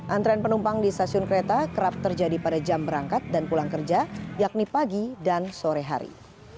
antrean penumpang di stasiun kereta kerap terjadi pada jam berangkat dan pulang kerja yakni pagi dan sore hari